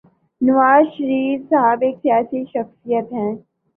نواز شریف صاحب ایک سیاسی شخصیت ہیں۔